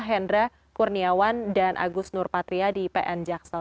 hendra kurniawan dan agus nur patria di pn jaksal